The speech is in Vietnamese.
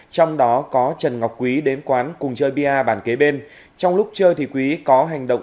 trong đó có trần ngọc quý đến quán cùng chơi bia bàn kế bên trong lúc chơi thì quý có hành động